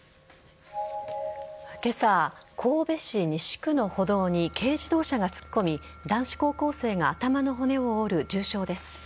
今朝、神戸市西区の歩道に軽自動車が突っ込み男子高校生が頭の骨を折る重傷です。